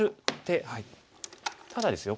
ただですよ